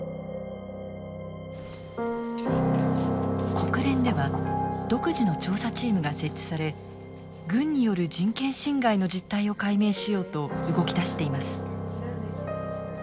国連では独自の調査チームが設置され軍による人権侵害の実態を解明しようと動き出しています。